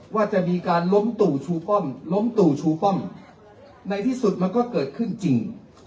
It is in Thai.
ว่าจะมีการล้มตู่ชูป้อมล้มตู่ชูป้อมในที่สุดมันก็เกิดขึ้นจริง